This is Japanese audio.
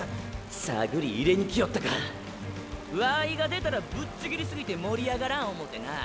探り入れに来よったかワイが出たらぶっちぎりすぎて盛り上がらん思てな。